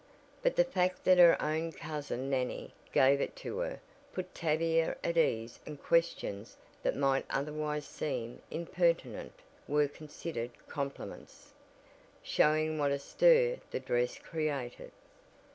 But the fact that her own cousin Nannie gave it to her put Tavia at ease and questions that might otherwise seem impertinent were considered compliments showing what a "stir" the dress created.